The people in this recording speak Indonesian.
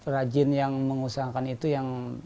rajin yang mengusahakan itu yang